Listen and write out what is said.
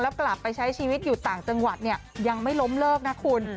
กลับไปใช้ชีวิตอยู่ต่างจังหวัดเนี่ยยังไม่ล้มเลิกนะคุณ